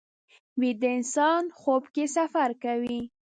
ویده انسان خوب کې سفر کوي